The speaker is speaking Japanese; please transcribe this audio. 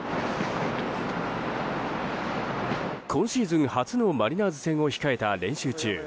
今シーズン初のマリナーズ戦を控えた練習中